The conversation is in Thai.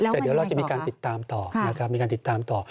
แต่เดี๋ยวเราจะมีการติดตามต่อ